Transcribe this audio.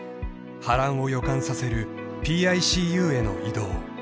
［波乱を予感させるＰＩＣＵへの異動］